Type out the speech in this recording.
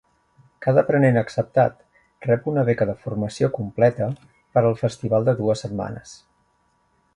Cada aprenent acceptat rep una beca de formació completa per al festival de dues setmanes.